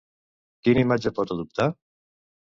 Quina imatge pot adoptar?